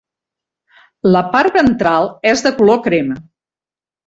La part ventral és de color crema.